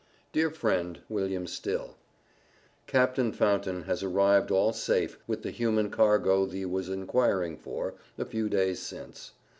DEAR FRIEND, WILLIAM STILL: Captain Fountain has arrived all safe, with the human cargo thee was inquiring for, a few days since.